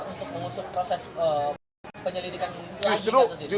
untuk mengusung proses penyelidikan